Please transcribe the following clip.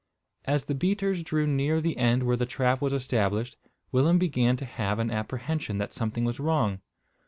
As the beaters drew near the end where the trap was established, Willem began to have an apprehension that something was wrong.